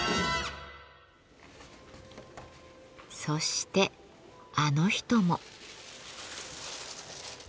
そしてあの人も。